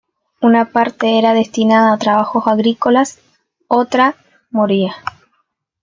Una parte era destinada a trabajos agrícolas, otra, moría.